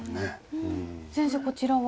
先生こちらは？